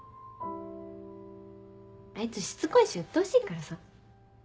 あいつしつこいしうっとうしいからさ。